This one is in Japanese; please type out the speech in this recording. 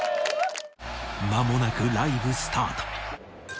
間もなくライブスタート